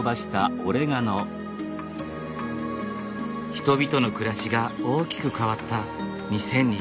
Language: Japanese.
人々の暮らしが大きく変わった２０２０年。